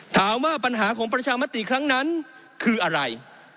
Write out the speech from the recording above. ถามว่าปัญหาของประชามติครั้งนั้นคืออะไร